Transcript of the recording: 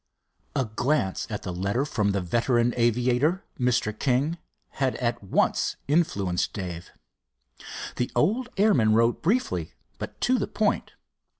A glance at the letter from the veteran aviator, Mr. King, had at once influenced Dave. The old airman wrote briefly, but to the point.